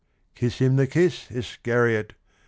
Kiss him the kiss, Iscariot !